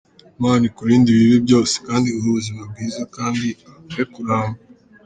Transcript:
Imana ikurinde ibibi byose kandi iguhe ubuzima bwiza kandi aguhe kuramba.